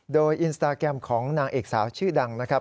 โดยอินสตาแกรมของนางเอกสาวชื่อดังนะครับ